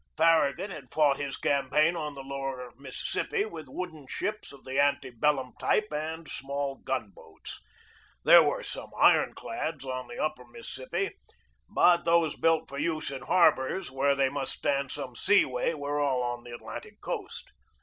Farragut had fought his campaign on the lower Mississippi with wooden ships of the ante bellum type and small gun boats. There were some iron clads on the upper Mississippi, but those built for use in harbors where they must stand some seaway were all on the Atlantic coast.